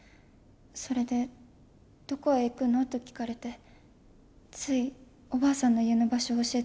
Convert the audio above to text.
それで「どこへ行くの？」と聞かれてついおばあさんの家の場所を教えてしまいました。